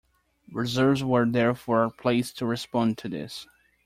Reserves were therefore placed to respond to this.